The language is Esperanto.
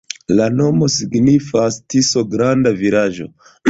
La nomo signifas: Tiso-granda-vilaĝo.